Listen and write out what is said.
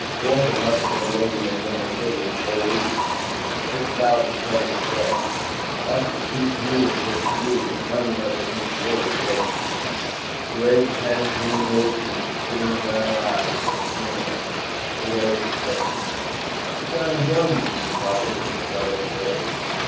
Dworken must have been waiting in Luna City a whole week at six thousand credits a day. That's as steep to me as it is to you, but money never seemed to worry Dworken. He raised the heavy green lids from his protruding brown eyes as I came in. He waved his tail. "Sit down and join me," he invited, in his guttural voice.